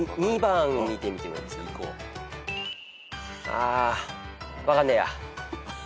あ分かんねえや。